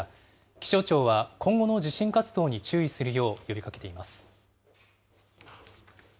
気象庁は、今後の地震活動に注意するよう呼びかけています。